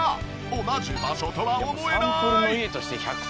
同じ場所とは思えない！